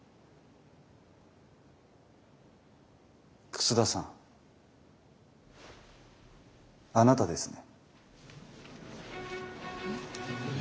楠田さんあなたですね？